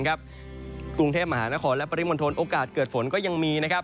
กรุงเทพฯมหานโคลและปริมณแทนโอกาสเกิดฝนก็ยังมี